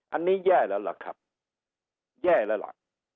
อันนี้แย่แล้วล่ะครับแย่แล้วล่ะ